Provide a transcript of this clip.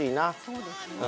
そうですね